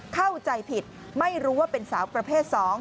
เข้าใจผิดไม่รู้ว่าเป็นสาวประเภท๒